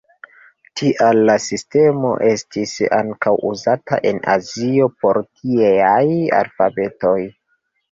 Tial la sistemo estis ankaŭ uzata en azio por tieaj alfabetoj.